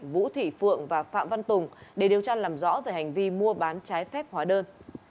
vũ thị phượng và phạm văn tùng để điều tra làm rõ về hành vi mua bán trái phép hóa đơn